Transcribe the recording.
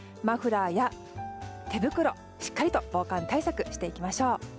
マフラーや手袋、しっかりと防寒対策していきましょう。